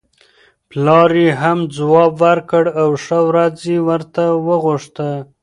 پلار یې هم ځواب ورکړ او ښه ورځ یې ورته وغوښته.